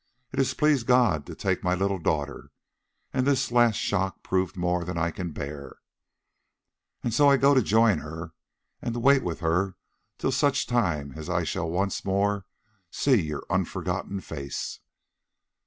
It has pleased God to take my little daughter, and this last shock proved more than I can bear, and so I go to join her and to wait with her till such time as I shall once more see your unforgotten face.